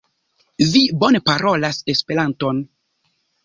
Vi bone parolas Esperanton.